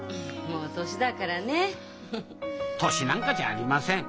もう年だからねフフフ。年なんかじゃありません。